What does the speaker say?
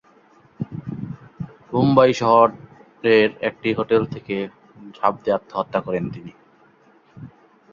বোম্বাই শহরের একটি হোটেল থেকে ঝাঁপ দিয়ে আত্মহত্যা করেন তিনি।